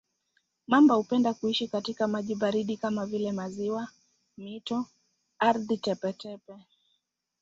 Mamba hupenda kuishi katika maji baridi kama vile maziwa, mito, ardhi tepe-tepe.